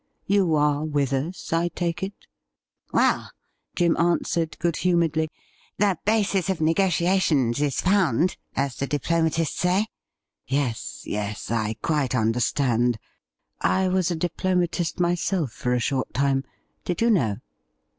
You are with us, I take it .?' 'Well,' Jim answered good humouredly, 'the basis of negotiations is found, as the diplomatists say.' 'Yes, yes; I quite understand. I was a diplomatist myself for a short time. Did you know